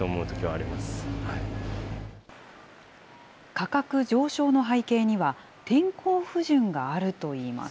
価格上昇の背景には、天候不順があるといいます。